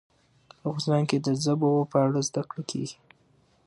په افغانستان کې د ژبو په اړه زده کړه کېږي.